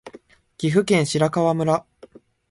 岐阜県白川村